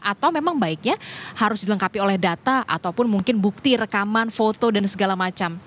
atau memang baiknya harus dilengkapi oleh data ataupun mungkin bukti rekaman foto dan segala macam